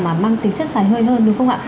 mà mang tính chất dài hơi hơn đúng không ạ